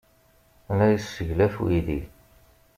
La yesseglaf uydi.